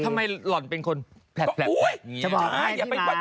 ทำไมหล่อนเป็นคนแผลบแบบนี้